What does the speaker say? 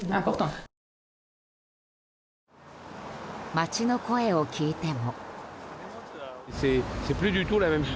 街の声を聞いても。